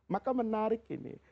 maka menarik ini